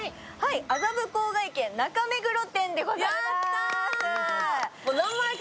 麻布笄軒中目黒店でござまいす。